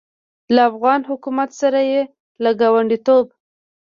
له افغان حکومت سره یې له ګاونډیتوب